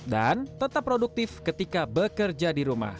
dan tetap produktif ketika bekerja di rumah